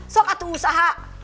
sok atuh usaha